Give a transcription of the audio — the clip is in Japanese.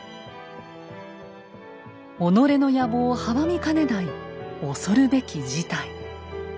己の野望を阻みかねない恐るべき事態。